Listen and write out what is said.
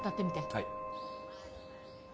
はい。